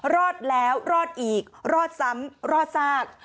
รอดแล้วรอดอีกรอดซ้ำรอดซาก